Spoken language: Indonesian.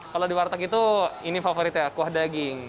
kalau di warteg itu ini favorit ya kuah daging